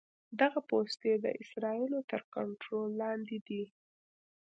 دغه پوستې د اسرائیلو تر کنټرول لاندې دي.